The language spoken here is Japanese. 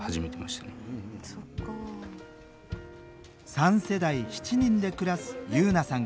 ３世代７人で暮らす優菜さん